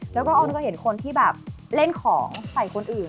แล้วก็อ้อนก็เห็นคนที่แบบเล่นของใส่คนอื่น